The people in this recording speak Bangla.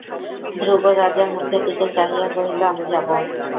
ধ্রুব রাজার মুখের দিকে চাহিয়া কহিল, আমি যাব।